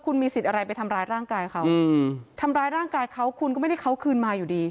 คุณมีสิทธิ์อะไรไปทำร้ายร่างกายเขาทำร้ายร่างกายเขาคุณก็ไม่ได้เขาคืนมาอยู่ดี